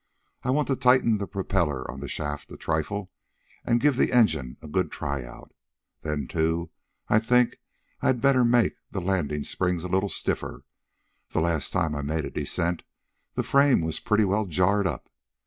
I want to tighten the propeller on the shaft a trifle, and give the engine a good try out. Then, too, I think I'd better make the landing springs a little stiffer. The last time I made a descent the frame was pretty well jarred up.